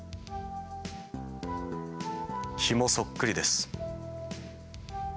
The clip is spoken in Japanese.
ヒモそっくりです。